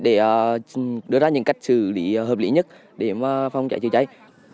để đưa ra những cách xử lý hợp lý nhất để phòng cháy chữa cháy